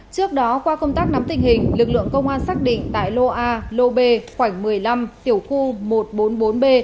trước đó qua công tác nắm tình hình lực lượng công an xác định tại lô a lô b khoảnh một mươi năm tiểu khu một trăm bốn mươi bốn b